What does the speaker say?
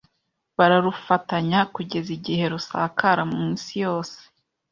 Bararufatanya, kugeza igihe rusakara mu isi yose